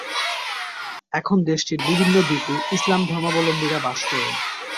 এখন দেশটির বিভিন্ন দ্বীপে ইসলাম ধর্মাবলম্বীরা বাস করেন।